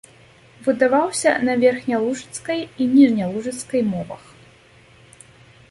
Выдаваўся на верхнялужыцкай і ніжнялужыцкай мовах.